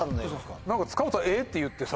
使うと「えっ」て言ってさ